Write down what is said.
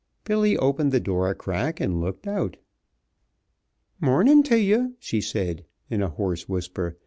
Billy opened the door a crack and looked out. "Mornin' to ye," she said in a hoarse whisper.